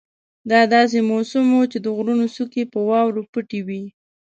دا داسې موسم وو چې د غرونو څوکې په واورو پټې وې.